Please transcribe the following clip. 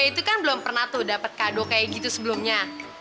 itu kan belum pernah tuh dapet kado kayak gitu sebelumnya